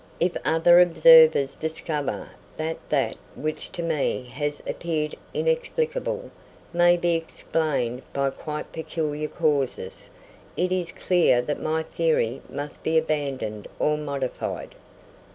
If other observers discover that that which to me has appeared inexplicable, may be explained by quite peculiar causes, it is clear that my theory must be abandoned or modified.